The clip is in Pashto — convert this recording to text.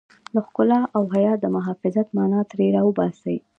د ښکلا او حيا د محافظت مانا ترې را وباسي.